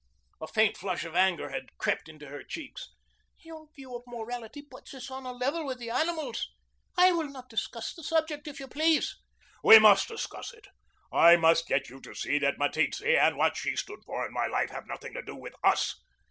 A faint flush of anger had crept into her cheeks. "Your view of morality puts us on a level with the animals. I will not discuss the subject, if you please." "We must discuss it. I must get you to see that Meteetse and what she stood for in my life have nothing to do with us.